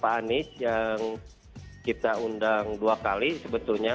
pak anies yang kita undang dua kali sebetulnya